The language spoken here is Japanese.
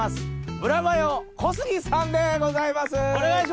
ブラマヨ小杉さんでございます！